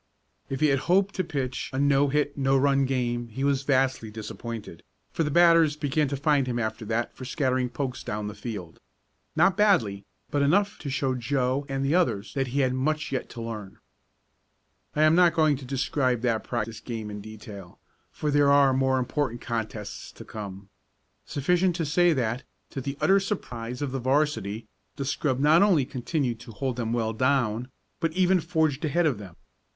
If he had hoped to pitch a no hit, no run game he was vastly disappointed, for the batters began to find him after that for scattering pokes down the field. Not badly, but enough to show to Joe and the others that he had much yet to learn. I am not going to describe that practice game in detail, for there are more important contests to come. Sufficient to say that, to the utter surprise of the 'varsity, the scrub not only continued to hold them well down, but even forged ahead of them.